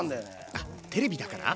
あっテレビだから？